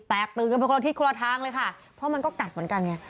แตกตึกกันไปคลอดทิศคลอดทางเลยค่ะเพราะมันก็กัดเหมือนกัน